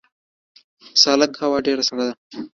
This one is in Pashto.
د سالنګ هوا ډیره سړه ده